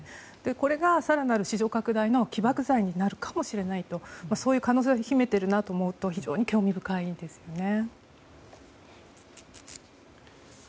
これが更なる市場拡大の起爆剤になるかもしれないとそういう可能性を秘めているなと思うと非常に興味深いですね。